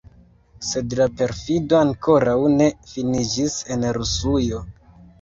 Sed la perfido ankoraŭ ne finiĝis en Rusujo.